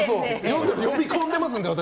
読み込んでますので、私。